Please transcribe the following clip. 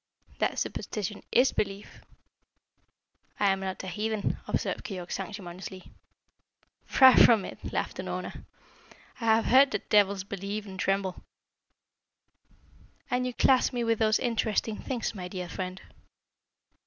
"That superstition is belief." "I am not a heathen," observed Keyork sanctimoniously. "Far from it," laughed Unorna. "I have heard that devils believe and tremble." "And you class me with those interesting things, my dear friend?"